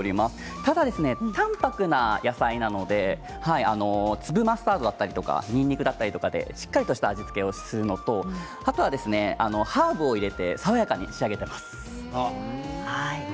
ただ淡泊な野菜なので粒マスタードだったりにんにくだったりでしっかりした味付けをするのとあとはハーブを入れて爽やかに仕上げています。